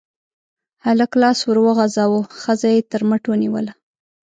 هلک لاس ور وغزاوه، ښځه يې تر مټ ونيوله.